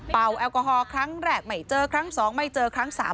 แอลกอฮอล์ครั้งแรกไม่เจอครั้งสองไม่เจอครั้งสาม